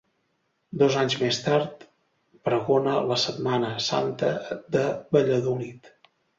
Dos anys més tard pregona la Setmana Santa de Valladolid.